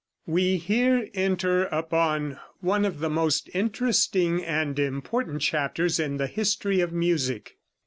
We here enter upon one of the most interesting and important chapters in the history of music.